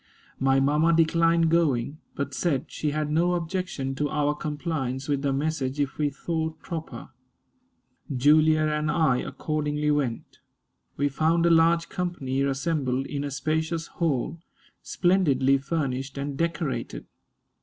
My mamma declined going, but said she had no objection to our compliance with the message if we thought proper. Julia and I accordingly went. We found a large company assembled in a spacious hall, splendidly furnished and decorated.